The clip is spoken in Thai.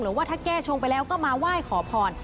ว่าถ้าแก้ชงไปแล้วก็มาไหว้ขอพร